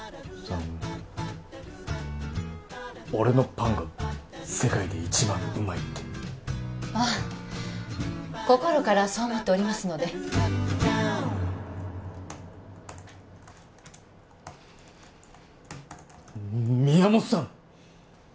その俺のパンが世界で一番うまいってああ心からそう思っておりますのでみ宮本さん